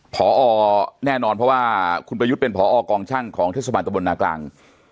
ผ่าออแน่นอนเพราะว่าคุณประยุทธ์เป็นผ่าออกองช่างของทศพันธ์กระบวนหน้ากลาง